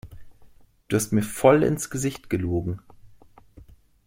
Du hast mir voll ins Gesicht gelogen!